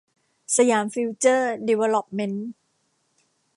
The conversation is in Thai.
สยามฟิวเจอร์ดีเวลอปเมนท์